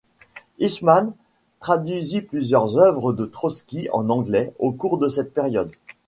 Eastman traduisit plusieurs œuvres de Trotsky en anglais au cours de cette période.